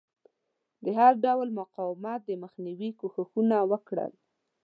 د هر ډول مقاومت د مخنیوي کوښښونه وکړل.